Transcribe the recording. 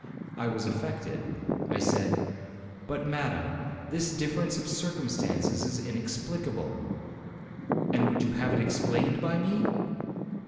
I was affected—I said, 'But, Madam, this difference of circumstances is inexplicable.' 'And would you have it explained by me?